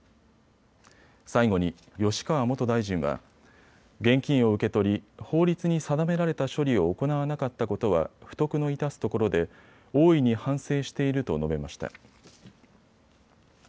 最後に吉川元大臣は現金を受け取り法律に定められた処理を行わなかったことは不徳の致すところで大いに反省していると述べました。